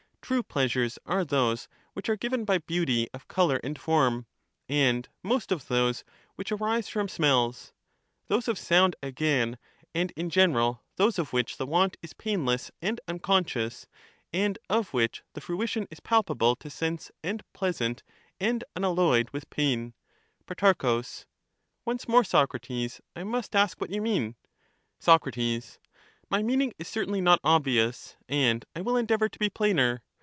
True pleasures are those which are given by beauty True of colour and form, and most of those which arise from P^^^^y*^ . 1 r I .^^ given smells ; those of sound, agam, and in general those of which (i)by the want is painless and unconscious, and of which the ^"'y^f fcuitioij is palpable to sense and pleasant and unalloyed with pain. Pro. Once more, Socrates, I must ask what you mean. Soc. My meaning is certainly not obvious, and I will endeavour to be plainer.